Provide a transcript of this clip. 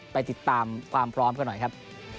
ไปติดตามความพร้อมกันหน่อยครับ